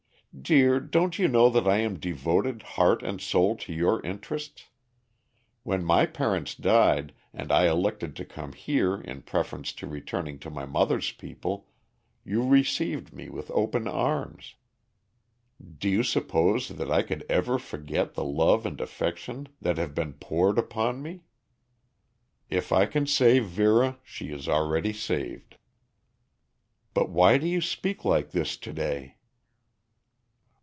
"Dear, don't you know that I am devoted heart and soul to your interests? When my parents died, and I elected to come here in preference to returning to my mother's people, you received me with open arms. Do you suppose that I could ever forget the love and affection that have been poured upon me? If I can save Vera she is already saved. But why do you speak like this to day?"